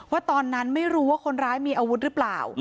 ตอนนั้นไม่รู้ว่าคนร้ายมีอาวุธหรือเปล่า